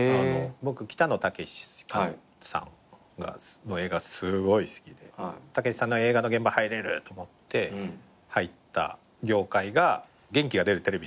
僕北野武さんの映画すごい好きで武さんの映画の現場入れると思って入った業界が『元気が出るテレビ！！』